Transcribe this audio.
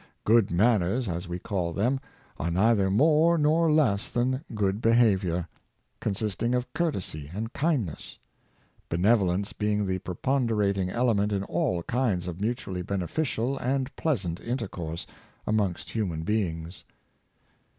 Good manners, as we call them, are neither more nor less than good behavior; consisting of courtesy and kindness; benevolence being the preponderating element in all kinds of mutually beneficial and pleasant intercourse amongst human be ings.